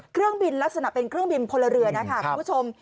เครื่องบินลักษณะเป็นเครื่องบินพลเรือนนะคะคุณผู้ชม